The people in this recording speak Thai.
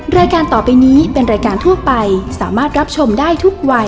รายการต่อไปนี้เป็นรายการทั่วไปสามารถรับชมได้ทุกวัย